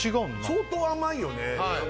相当甘いよね